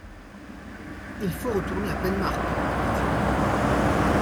Il faut retourner à Penmarckh ! dit-il.